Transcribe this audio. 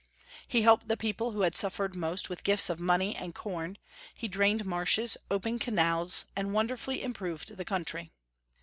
He helped the people who had Buffered most with gifts of money and corn, he drained marshes, opened canals, and wonderfully im proved the country.